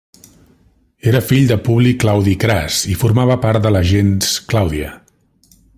Era fill de Publi Claudi Cras i formava part de la gens Clàudia.